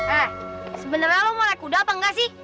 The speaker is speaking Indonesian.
eh sebenarnya lo mau naik kuda apa nggak sih